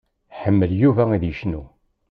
Iḥemmel Yuba ad icnu.